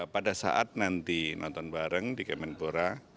pada saat nanti nonton bareng di kemenpora